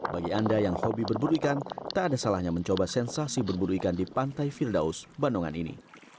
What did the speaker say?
bagi anda yang hobi berburu ikan tak ada salahnya mencoba sensasi berburu ikan di pantai firdaus banongan ini